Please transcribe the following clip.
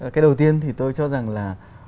cái đầu tiên thì tôi cho rằng là